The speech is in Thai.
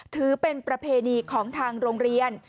ถือเป็นประเพณีของทางโรงเรียน